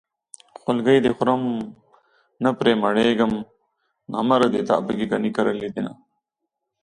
خولګۍ دې خورم نه پرې مړېږم نامردې تا پکې ګني کرلي دينه